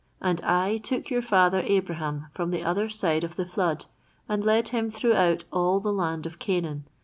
"And I took your father Abraham from the other side of the flood and led him throughout all the land of Canaan.